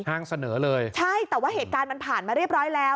เสนอเลยใช่แต่ว่าเหตุการณ์มันผ่านมาเรียบร้อยแล้ว